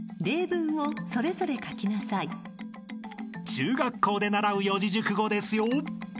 ［中学校で習う四字熟語ですよ］